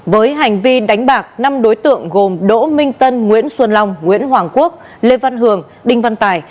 với hành vi đánh bạc năm đối tượng gồm đỗ minh tân nguyễn xuân long nguyễn hoàng quốc lê văn hường đinh văn tài